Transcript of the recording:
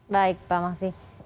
baik pak maksim